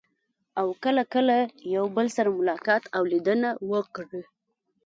او کله کله یو بل سره ملاقات او لیدنه وکړي.